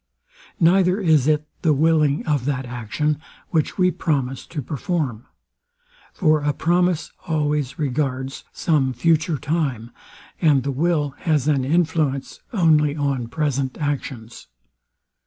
Neither is it the willing of that action, which we promise to perform: For a promise always regards some future time, and the will has an influence only on present actions.